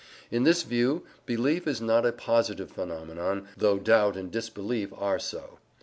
In this view belief is not a positive phenomenon, though doubt and disbelief are so.